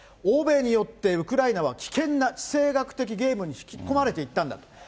欧米によってウクライナは危険な地政学的ゲームに引き込まれていったんだと。